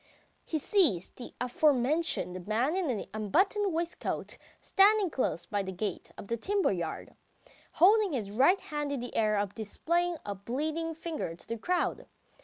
He sees the aforementioned man in the unbuttoned waistcoat standing close by the gate of the timber yard, holding his right hand in the air and displaying a bleeding finger to the crowd.